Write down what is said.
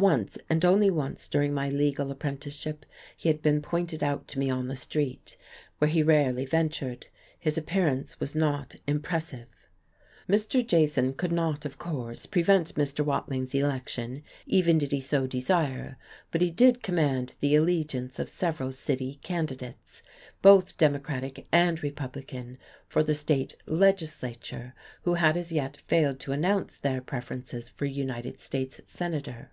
Once, and only once during my legal apprenticeship, he had been pointed out to me on the street, where he rarely ventured. His appearance was not impressive.... Mr. Jason could not, of course, prevent Mr. Watling's election, even did he so desire, but he did command the allegiance of several city candidates both democratic and republican for the state legislature, who had as yet failed to announce their preferences for United States Senator.